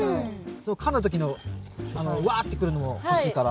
かんだ時のワーってくるのも欲しいから。